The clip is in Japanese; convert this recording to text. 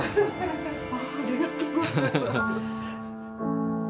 ありがとうございます。